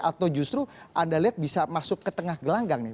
atau justru anda lihat bisa masuk ke tengah gelanggang nih